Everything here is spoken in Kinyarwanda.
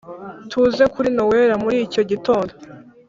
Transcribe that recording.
tuze kuri noella muricyo gitondo.